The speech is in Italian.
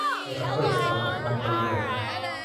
Era questa una tromba in Do.